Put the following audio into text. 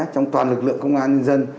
trong toàn lực lượng công an nhân dân